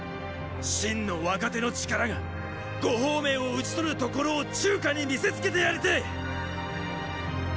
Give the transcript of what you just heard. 秦の若手の力が呉鳳明を討ち取るところを中華に見せつけてやりてぇ！